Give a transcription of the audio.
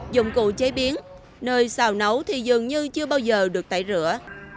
dụng cụ chế biến nơi xào nấu thì dường như chưa bao giờ được tẩy rửa